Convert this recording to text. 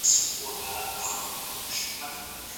قصاص د وژنې مخه نيسي.